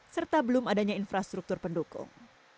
serta belum adanya infrastruktur pendukung